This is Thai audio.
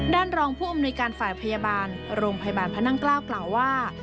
รองผู้อำนวยการฝ่ายพยาบาลโรงพยาบาลพระนั่งเกล้ากล่าวว่า